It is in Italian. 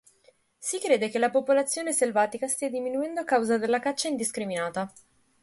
Si crede che la popolazione selvatica stia diminuendo a causa della caccia indiscriminata.